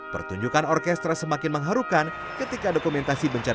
pertunjukan orkestra semakin mengharukan ketika dokumen tersebut menunjukkan